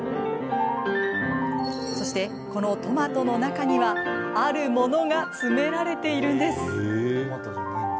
しかも、このトマトの中にはあるものが詰められているんです。